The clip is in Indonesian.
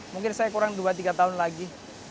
mungkin saya kurang dua tiga tahun lagi